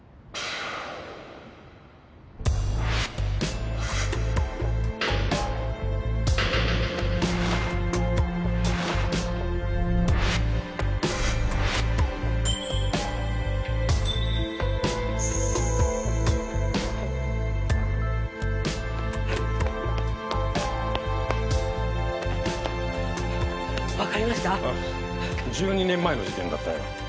ああ１２年前の事件だったよ